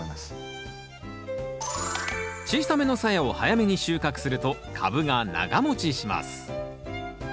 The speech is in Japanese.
小さめのさやを早めに収穫すると株が長もちします。